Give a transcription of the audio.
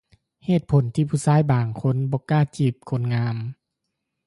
ເຫດຜົນທີ່ຜູ້ຊາຍບາງຄົນບໍ່ກ້າຈີບ ຄົນງາມ